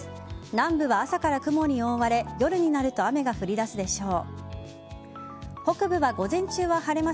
南部は朝から雲に覆われ夜になると雨が降り出すでしょう。